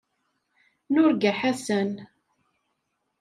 Nurga Ḥasan.